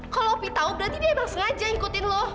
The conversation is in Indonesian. kalau opi tau berarti dia emang sengaja ngikutin loh